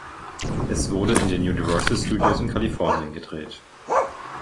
Es wurde in den Universal Studios in Kalifornien gedreht.